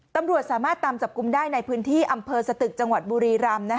ตำรวจสามารถตามจับกลุ่มได้ในพื้นที่อำเภอสตึกจังหวัดบุรีรำ